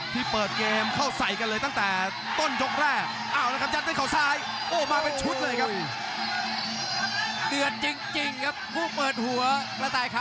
ที่เปิดเกมเข้าใส่กันเลยตั้งแต่ต้นยกแรก